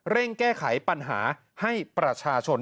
แก้ไขปัญหาให้ประชาชน